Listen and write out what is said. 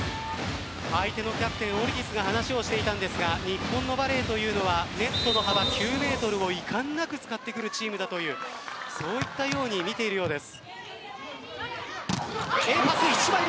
相手のキャプテンが話をしていたんですが日本のバレーというのはネットの幅９ｍをいかんなく使ってくるチームだというそういったように見ているようです。